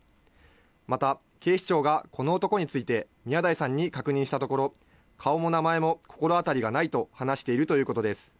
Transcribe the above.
また警視庁は、この男について宮台さんに確認したところ、顔も名前も心当たりがないと話しているということです。